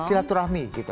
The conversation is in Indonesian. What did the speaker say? silaturahmi gitu maksudnya